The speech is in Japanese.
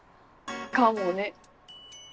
かもね。